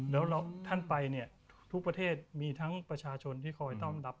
แล้วท่านไปเนี่ยทุกประเทศมีทั้งประชาชนที่คอยต้อมรับ